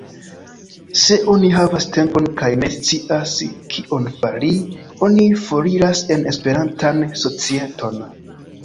Se oni havas tempon kaj ne scias, kion fari, oni foriras en Esperantan societon.